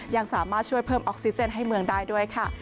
ยังสามารถช่วยเพิ่มออกซิเจนให้เมืองได้ด้วยค่ะ